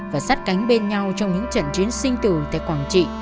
và sát cánh bên nhau trong những trận chiến sinh tử tại quảng trị